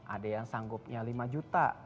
ada yang sanggupnya lima juta